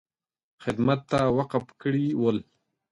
خدمت ته وقف کړي ول.